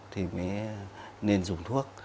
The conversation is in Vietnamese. thì mới nên dùng thuốc